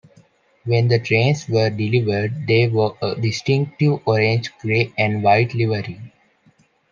When the trains were delivered they wore a distinctive orange, grey, and white livery.